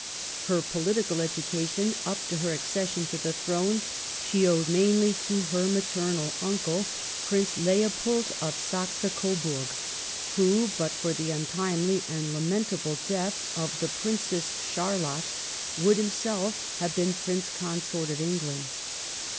Her political education, up to her accession to the throne, she owed mainly to her maternal uncle, Prince Leopold of Saxe Coburg, who, but for the untimely and lamentable death of thePrincess Cliarlotte, would himself have been Prince Consort of England.